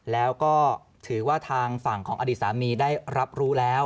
แล้วก็ถือว่าทางฝั่งของอดีตสามีได้รับรู้แล้ว